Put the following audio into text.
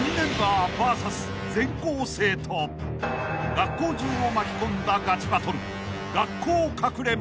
［学校中を巻き込んだガチバトル］